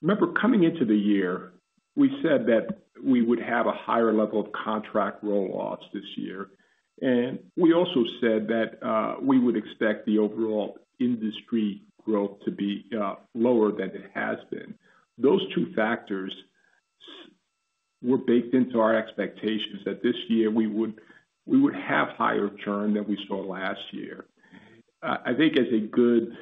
Remember, coming into the year, we said that we would have a higher level of contract roll-offs this year. We also said that we would expect the overall industry growth to be lower than it has been. Those two factors were baked into our expectations that this year we would have higher churn than we saw last year. I think as a good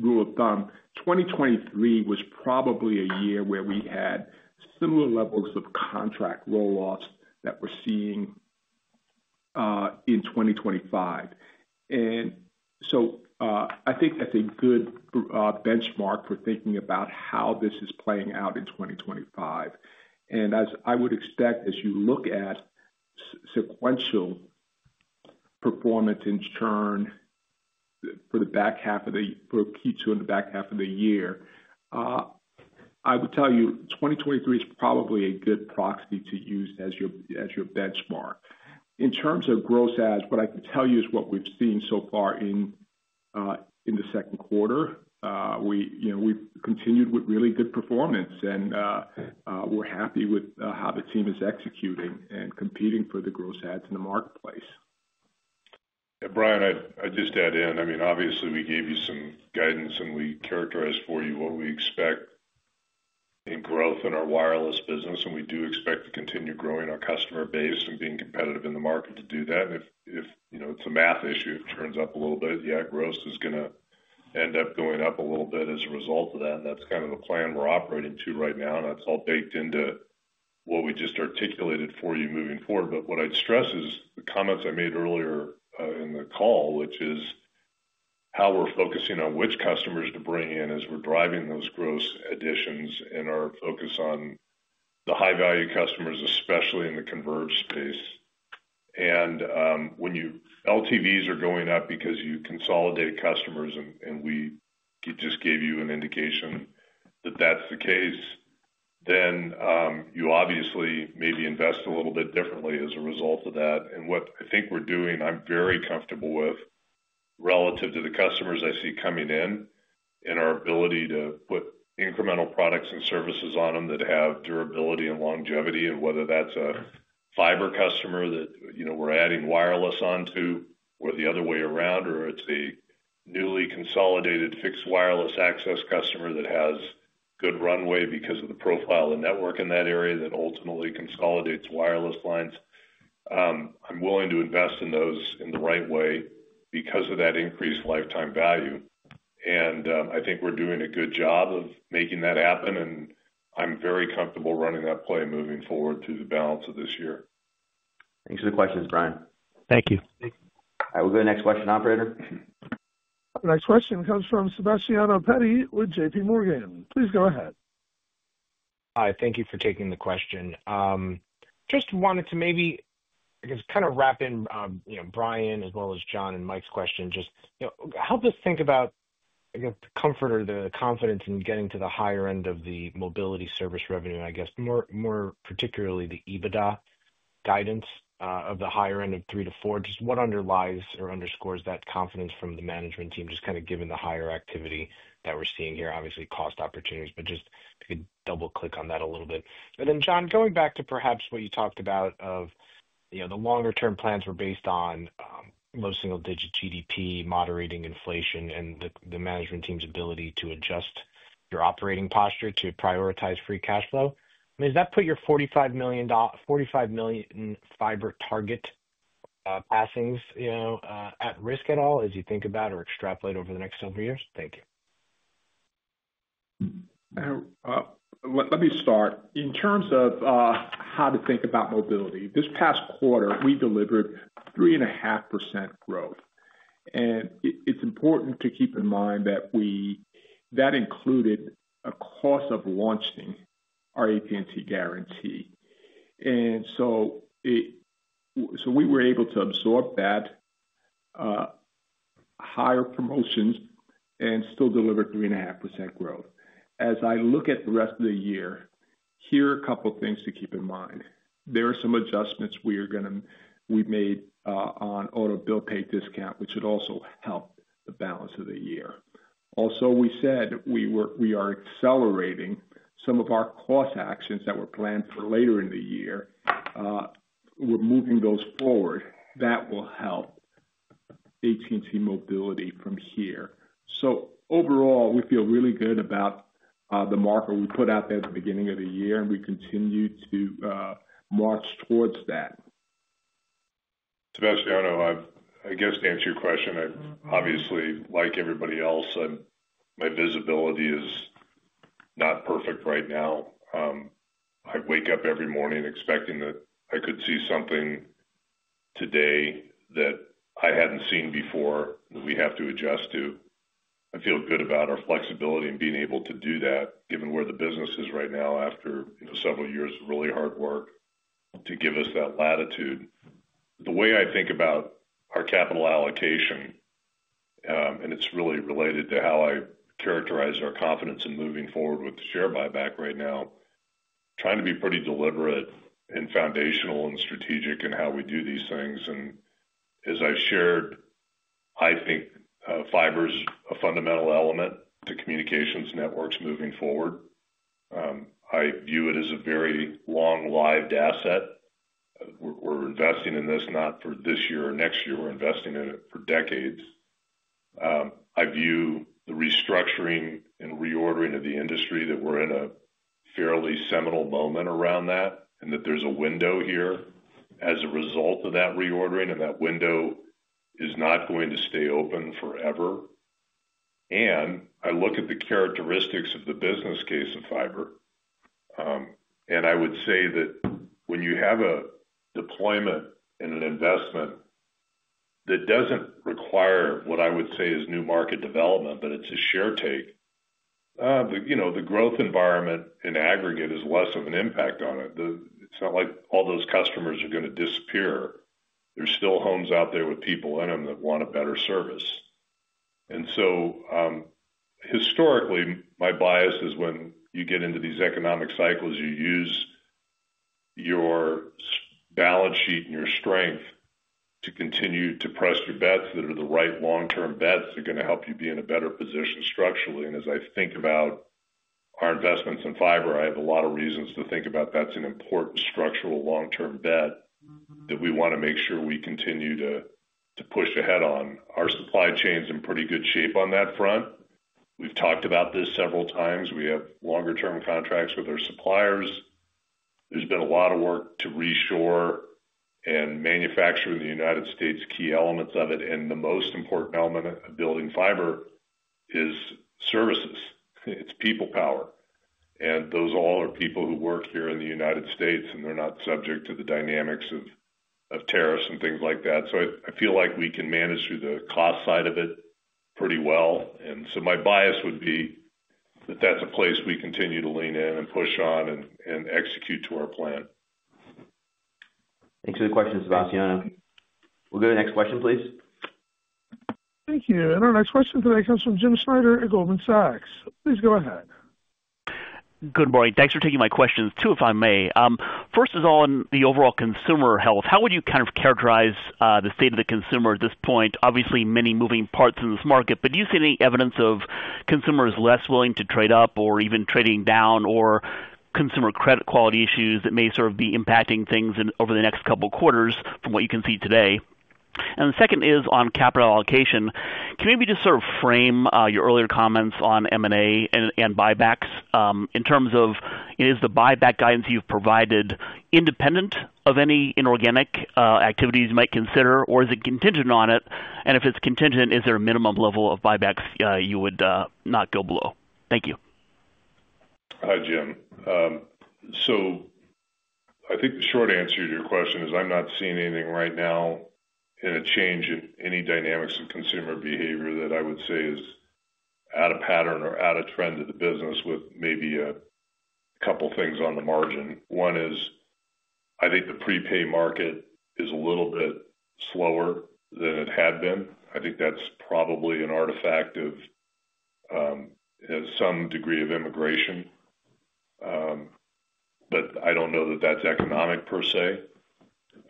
rule of thumb, 2023 was probably a year where we had similar levels of contract roll-offs that we're seeing in 2025. I think that's a good benchmark for thinking about how this is playing out in 2025. As I would expect, as you look at sequential performance and churn for Q2 and the back half of the year, I would tell you 2023 is probably a good proxy to use as your benchmark. In terms of gross adds, what I can tell you is what we've seen so far in the second quarter. We've continued with really good performance, and we're happy with how the team is executing and competing for the gross adds in the marketplace. Yeah, Bryan, I'd just add in. I mean, obviously, we gave you some guidance, and we characterized for you what we expect in growth in our wireless business. We do expect to continue growing our customer base and being competitive in the market to do that. If it's a math issue, it turns up a little bit. Yeah, gross is going to end up going up a little bit as a result of that. That's kind of the plan we're operating to right now. That's all baked into what we just articulated for you moving forward. What I'd stress is the comments I made earlier in the call, which is how we're focusing on which customers to bring in as we're driving those gross additions and our focus on the high-value customers, especially in the converged space. When your LTVs are going up because you consolidate customers, and we just gave you an indication that that's the case, you obviously maybe invest a little bit differently as a result of that. What I think we're doing, I'm very comfortable with relative to the customers I see coming in and our ability to put incremental products and services on them that have durability and longevity. Whether that's a fiber customer that we're adding wireless onto or the other way around, or it's a newly consolidated fixed wireless access customer that has good runway because of the profile of the network in that area that ultimately consolidates wireless lines, I'm willing to invest in those in the right way because of that increased Lifetime Value. I think we're doing a good job of making that happen. I'm very comfortable running that play moving forward through the balance of this year. Thanks for the questions, Bryan. Thank you. All right. We'll go to the next question, Operator. Our next question comes from Sebastiano Petti with JPMorgan. Please go ahead. Hi. Thank you for taking the question. Just wanted to maybe, I guess, kind of wrap in Bryan as well as John and Mike's question. Just help us think about, I guess, the comfort or the confidence in getting to the higher end of the mobility service revenue, I guess, more particularly the EBITDA guidance of the higher end of three to four. Just what underlies or underscores that confidence from the management team, just kind of given the higher activity that we're seeing here, obviously, cost opportunities, but just if you could double-click on that a little bit. John, going back to perhaps what you talked about of the longer-term plans were based on low single-digit GDP, moderating inflation, and the management team's ability to adjust your operating posture to prioritize free cash flow. I mean, has that put your 45 million fiber target passings at risk at all as you think about or extrapolate over the next several years? Thank you. Let me start. In terms of how to think about mobility, this past quarter, we delivered 3.5% growth. It is important to keep in mind that that included a cost of launching our AT&T Guarantee. We were able to absorb that, higher promotions, and still delivered 3.5% growth. As I look at the rest of the year, here are a couple of things to keep in mind. There are some adjustments we are going to make on Auto Bill Pay discount, which should also help the balance of the year. Also, we said we are accelerating some of our cost actions that were planned for later in the year. We are moving those forward. That will help AT&T Mobility from here. Overall, we feel really good about the marker we put out there at the beginning of the year, and we continue to march towards that. Sebastiano, I guess to answer your question, obviously, like everybody else, my visibility is not perfect right now. I wake up every morning expecting that I could see something today that I had not seen before that we have to adjust to. I feel good about our flexibility and being able to do that, given where the business is right now after several years of really hard work to give us that latitude. The way I think about our capital allocation, it's really related to how I characterize our confidence in moving forward with the share buyback right now, trying to be pretty deliberate and foundational and strategic in how we do these things. As I shared, I think fiber is a fundamental element to communications networks moving forward. I view it as a very long-lived asset. We're investing in this not for this year or next year. We're investing in it for decades. I view the restructuring and reordering of the industry that we're in a fairly seminal moment around that and that there's a window here as a result of that reordering. That window is not going to stay open forever. I look at the characteristics of the business case of fiber. I would say that when you have a deployment and an investment that does not require what I would say is new market development, but it is a share take, the growth environment in aggregate is less of an impact on it. It is not like all those customers are going to disappear. There are still homes out there with people in them that want a better service. Historically, my bias is when you get into these economic cycles, you use your balance sheet and your strength to continue to press your bets that are the right long-term bets that are going to help you be in a better position structurally. As I think about our investments in fiber, I have a lot of reasons to think about that's an important structural long-term bet that we want to make sure we continue to push ahead on. Our supply chain's in pretty good shape on that front. We've talked about this several times. We have longer-term contracts with our suppliers. There's been a lot of work to reshore and manufacture in the United States key elements of it. The most important element of building fiber is services. It's people power. Those all are people who work here in the United States, and they're not subject to the dynamics of tariffs and things like that. I feel like we can manage through the cost side of it pretty well. My bias would be that that's a place we continue to lean in and push on and execute to our plan. Thanks for the question, Sebastiano. We'll go to the next question, please. Thank you. Our next question today comes from Jim Schneider at Goldman Sachs. Please go ahead. Good morning. Thanks for taking my questions too, if I may. First of all, in the overall consumer health, how would you kind of characterize the state of the consumer at this point? Obviously, many moving parts in this market, but do you see any evidence of consumers less willing to trade up or even trading down or consumer credit quality issues that may sort of be impacting things over the next couple of quarters from what you can see today? The second is on capital allocation. Can we maybe just sort of frame your earlier comments on M&A and buybacks in terms of, is the buyback guidance you've provided independent of any inorganic activities you might consider, or is it contingent on it? If it's contingent, is there a minimum level of buybacks you would not go below? Thank you. Hi, Jim. I think the short answer to your question is I'm not seeing anything right now in a change in any dynamics of consumer behavior that I would say is out of pattern or out of trend of the business with maybe a couple of things on the margin. One is I think the prepay market is a little bit slower than it had been. I think that's probably an artifact of some degree of immigration. I don't know that that's economic per se.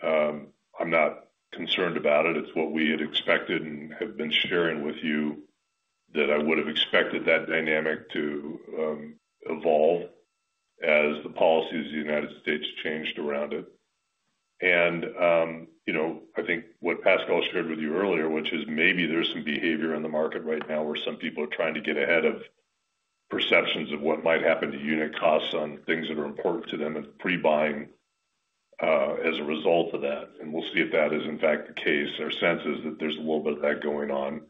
I'm not concerned about it. It's what we had expected and have been sharing with you that I would have expected that dynamic to evolve as the policies of the United States changed around it. I think what Pascal shared with you earlier, which is maybe there's some behavior in the market right now where some people are trying to get ahead of perceptions of what might happen to unit costs on things that are important to them and pre-buying as a result of that. We'll see if that is, in fact, the case. Our sense is that there's a little bit of that going on.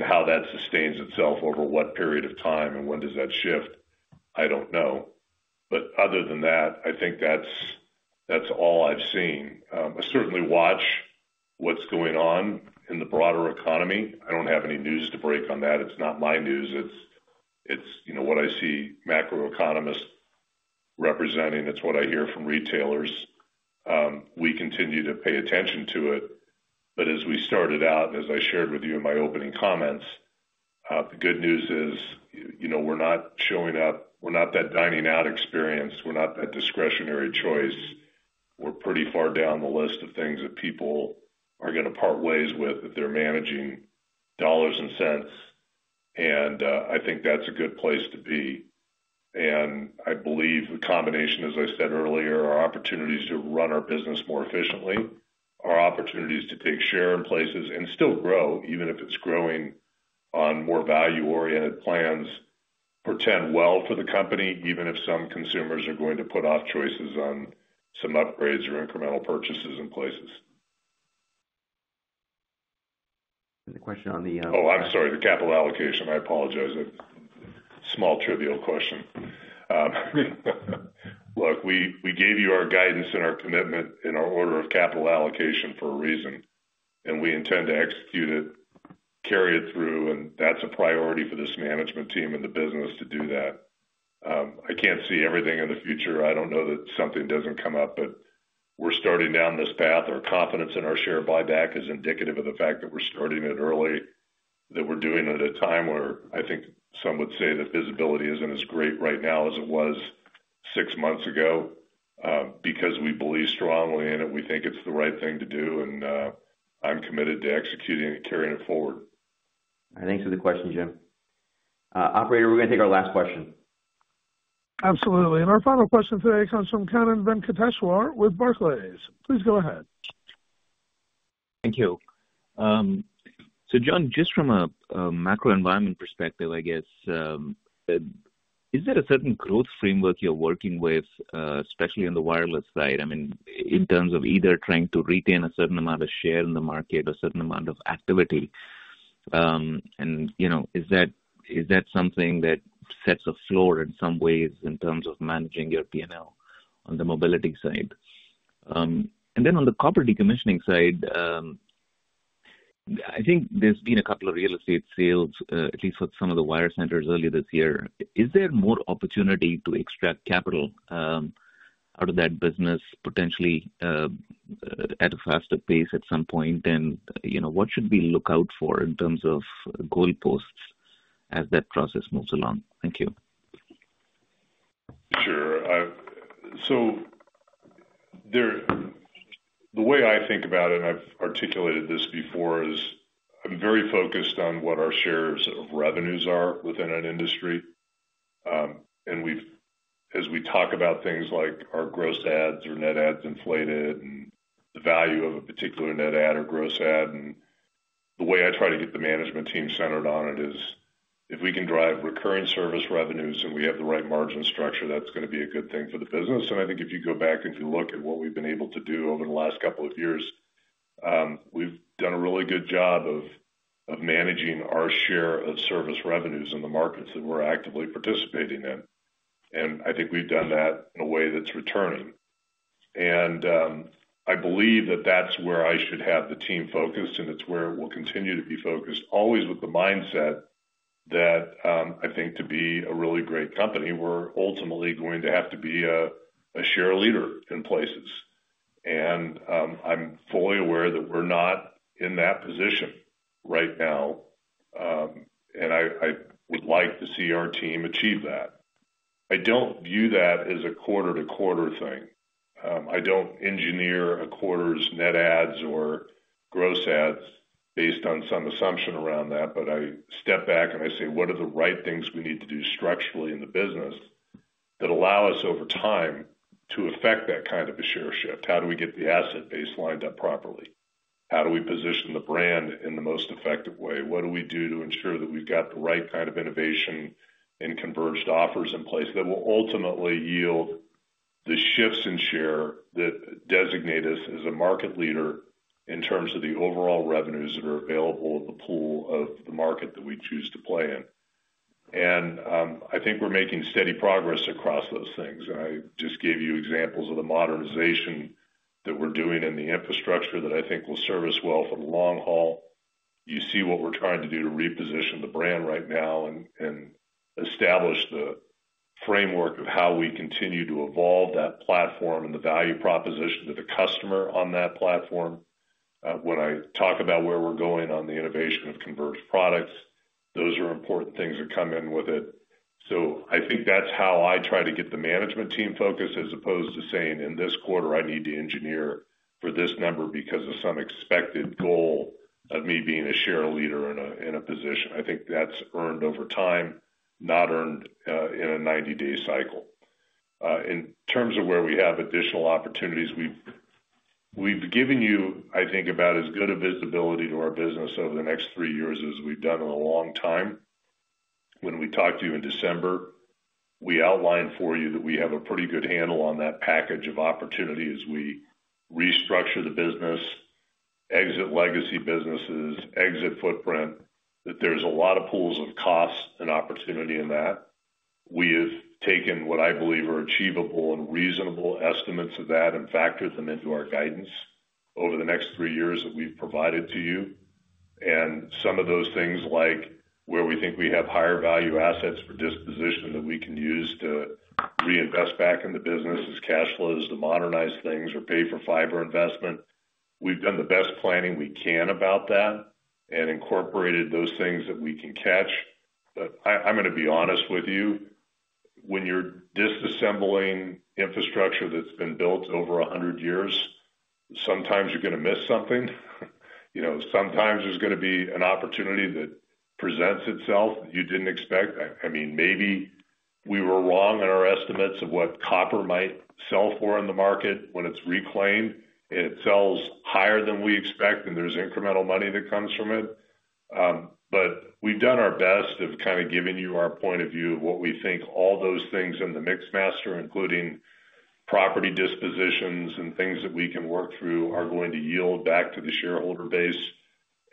How that sustains itself over what period of time and when does that shift, I don't know. Other than that, I think that's all I've seen. I certainly watch what's going on in the broader economy. I don't have any news to break on that. It's not my news. It's what I see macroeconomists representing. It's what I hear from retailers. We continue to pay attention to it. But as we started out, as I shared with you in my opening comments, the good news is we're not showing up. We're not that dining-out experience. We're not that discretionary choice. We're pretty far down the list of things that people are going to part ways with if they're managing dollars and cents. I think that's a good place to be. I believe the combination, as I said earlier, are opportunities to run our business more efficiently, our opportunities to take share in places and still grow, even if it's growing on more value-oriented plans, pretend well for the company, even if some consumers are going to put off choices on some upgrades or incremental purchases in places. The question on the— Oh, I'm sorry. The capital allocation. I apologize. Small trivial question. Look, we gave you our guidance and our commitment in our order of capital allocation for a reason. We intend to execute it, carry it through. That is a priority for this management team and the business to do that. I can't see everything in the future. I don't know that something doesn't come up. We are starting down this path. Our confidence in our share buyback is indicative of the fact that we're starting it early, that we're doing it at a time where I think some would say that visibility isn't as great right now as it was six months ago because we believe strongly in it. We think it's the right thing to do. I am committed to executing it and carrying it forward. Thanks for the question, Jim. Operator, we're going to take our last question. Absolutely. Our final question today comes from Kannan Venkateshwar with Barclays. Please go ahead. Thank you. John, just from a macro-environment perspective, I guess, is there a certain growth framework you're working with, especially on the wireless side, I mean, in terms of either trying to retain a certain amount of share in the market, a certain amount of activity? Is that something that sets a floor in some ways in terms of managing your P&L on the mobility side? On the copper decommissioning side, I think there's been a couple of real estate sales, at least for some of the wire centers earlier this year. Is there more opportunity to extract capital out of that business potentially at a faster pace at some point? What should we look out for in terms of goalposts as that process moves along? Thank you. Sure. The way I think about it, and I've articulated this before, is I'm very focused on what our shares of revenues are within an industry. As we talk about things like are gross ads or net ads inflated and the value of a particular net ad or gross ad, the way I try to get the management team centered on it is if we can drive recurring service revenues and we have the right margin structure, that's going to be a good thing for the business. I think if you go back and if you look at what we've been able to do over the last couple of years, we've done a really good job of managing our share of service revenues in the markets that we're actively participating in. I think we've done that in a way that's returning. I believe that that's where I should have the team focused, and it's where we'll continue to be focused, always with the mindset that I think to be a really great company, we're ultimately going to have to be a share leader in places. I'm fully aware that we're not in that position right now. I would like to see our team achieve that. I don't view that as a quarter-to-quarter thing. I don't engineer a quarter's net adds or gross adds based on some assumption around that. I step back and I say, "What are the right things we need to do structurally in the business that allow us over time to affect that kind of a share shift? How do we get the asset base lined up properly? How do we position the brand in the most effective way? What do we do to ensure that we've got the right kind of innovation and converged offers in place that will ultimately yield the shifts in share that designate us as a market leader in terms of the overall revenues that are available in the pool of the market that we choose to play in?" I think we're making steady progress across those things. I just gave you examples of the modernization that we're doing in the infrastructure that I think will serve us well for the long haul. You see what we're trying to do to reposition the brand right now and establish the framework of how we continue to evolve that platform and the value proposition to the customer on that platform. When I talk about where we're going on the innovation of converged products, those are important things that come in with it. I think that's how I try to get the management team focused as opposed to saying, "In this quarter, I need to engineer for this number because of some expected goal of me being a share leader in a position." I think that's earned over time, not earned in a 90-day cycle. In terms of where we have additional opportunities, we've given you, I think, about as good a visibility to our business over the next three years as we've done in a long time. When we talked to you in December, we outlined for you that we have a pretty good handle on that package of opportunity as we restructure the business, exit legacy businesses, exit footprint, that there's a lot of pools of cost and opportunity in that. We have taken what I believe are achievable and reasonable estimates of that and factored them into our guidance over the next three years that we've provided to you. Some of those things, like where we think we have higher value assets for disposition that we can use to reinvest back in the business as cash flows to modernize things or pay for fiber investment, we've done the best planning we can about that and incorporated those things that we can catch. I'm going to be honest with you. When you're disassembling infrastructure that's been built over 100 years, sometimes you're going to miss something. Sometimes there's going to be an opportunity that presents itself that you didn't expect. I mean, maybe we were wrong in our estimates of what copper might sell for in the market when it's reclaimed, and it sells higher than we expect, and there's incremental money that comes from it. We've done our best of kind of giving you our point of view of what we think all those things in the mix master, including property dispositions and things that we can work through, are going to yield back to the shareholder base.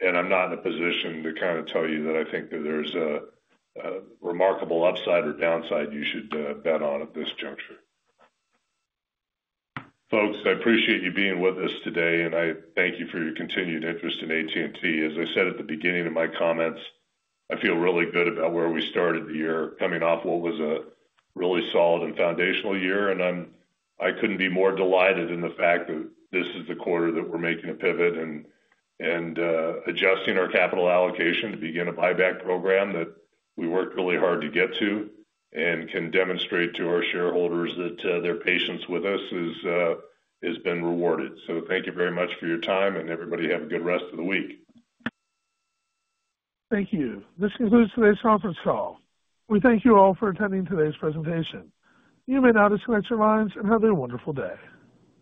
I'm not in a position to kind of tell you that I think that there's a remarkable upside or downside you should bet on at this juncture. Folks, I appreciate you being with us today, and I thank you for your continued interest in AT&T. As I said at the beginning of my comments, I feel really good about where we started the year coming off what was a really solid and foundational year. I couldn't be more delighted in the fact that this is the quarter that we're making a pivot and adjusting our capital allocation to begin a buyback program that we worked really hard to get to and can demonstrate to our shareholders that their patience with us has been rewarded. Thank you very much for your time, and everybody have a good rest of the week. Thank you. This concludes today's conference call. We thank you all for attending today's presentation. You may now disconnect your lines and have a wonderful day.